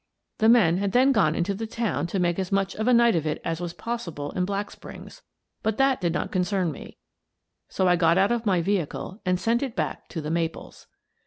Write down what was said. The men had then gone into the town to make as much of a night of it as was possible in Black Springs, but that did not concern me, so I got out of my vehicle and sent it back to " The Maples."